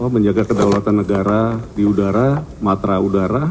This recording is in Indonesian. menjaga kedaulatan negara di udara matra udara